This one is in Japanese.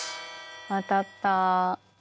当たった！